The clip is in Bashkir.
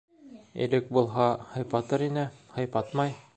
Элек булһа, һыйпатыр ине, һыйпатмай.